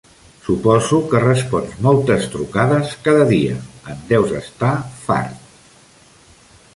Suposo que respons moltes trucades cada dia, en deus estar fart.